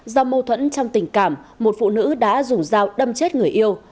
do mâu thuẫn trong tình cảm một phụ nữ đã dùng dao đâm chết người yêu